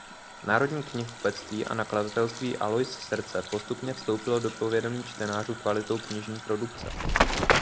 Národní knihkupectví a nakladatelství Alois Srdce postupně vstoupilo do povědomí čtenářů kvalitou knižní produkce.